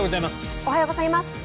おはようございます。